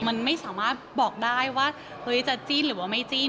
มันไม่สามารถบอกได้ว่าเฮ้ยจะจิ้นหรือว่าไม่จิ้น